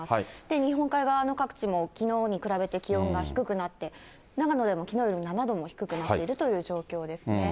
日本海側の各地も、きのうに比べて気温が低くなって、長野でもきのうより７度も低くなっているという状況ですね。